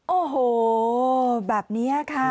โอ้โหแบบนี้ค่ะ